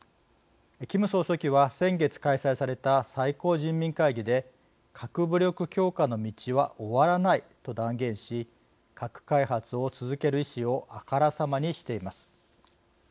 キム総書記は先月、開催された最高人民会議で「核武力強化の道は終わらない」と断言し核開発を続ける意思をあからさまにしています。